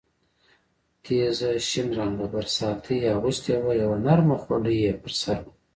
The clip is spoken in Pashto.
تېزه شین رنګه برساتۍ یې اغوستې وه، یوه نرمه خولۍ یې پر سر وه.